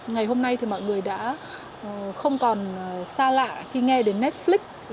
ngày hôm nay thì mọi người đã không còn xa lạ khi nghe đến netflix